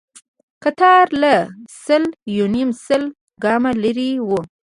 کتار لا سل يونيم سل ګامه لرې و.